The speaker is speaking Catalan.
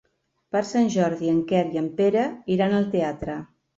Per Sant Jordi en Quer i en Pere iran al teatre.